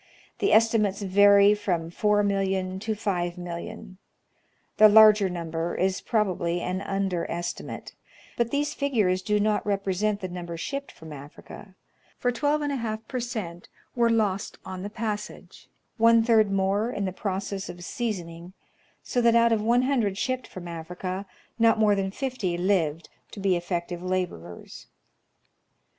The estimates vary from 4,000,000 to 5,000,000. The larger number is probably an underestimate ; but these figures do not represent the number shipped from Africa, for \1\ per cent, were lost on the passage, one third more in the " process of seasoning;" so that, out of ]00 shipped from Africa, not more than 50 lived to be effective laborers.